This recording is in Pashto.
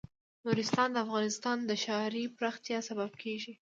نورستان د افغانستان د ښاري پراختیا سبب کېږي.